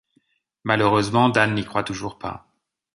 Malheureusement, Dan n'y croit toujours pas.